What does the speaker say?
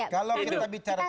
kalau kita bicara teknis